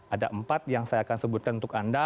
ada empat yang saya akan sebutkan untuk anda